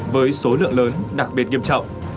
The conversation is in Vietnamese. với số lượng lớn đặc biệt nghiêm trọng